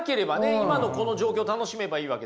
今のこの状況を楽しめばいいわけですから。